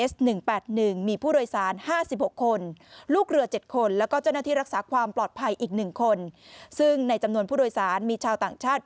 สักความปลอดภัยอีกหนึ่งคนซึ่งในจำนวนผู้โดยสารมีชาวต่างชาติ